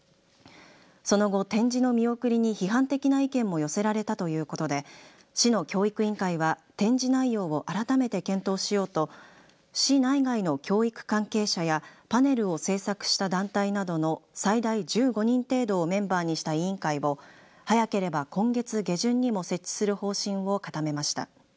その後、展示の見送りに批判的な意見も寄せられたということで市の教育委員会は展示内容を改めて検討しようと市内外の教育関係者やパネルを制作した団体などの最大１５人程度をメンバーにした委員会を早ければ今月下旬にも設置する方針を固めました。